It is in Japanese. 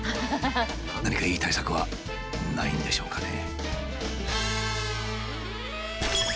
何かいい対策はないんでしょうかね。